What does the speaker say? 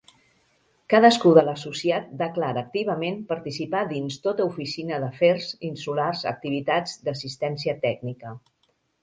Cadascú de l'associat declara activament participar dins tota Oficina d'Afers Insulars activitats d'assistència tècnica.